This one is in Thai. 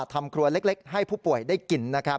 ทำครัวเล็กให้ผู้ป่วยได้กลิ่น